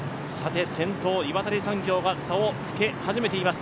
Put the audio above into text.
先頭、岩谷産業が差をつけ始めています。